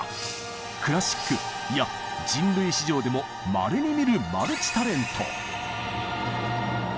クラシックいや人類史上でもまれに見るマルチ・タレント。